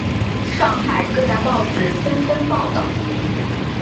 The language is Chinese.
上海各大报纸纷纷报道。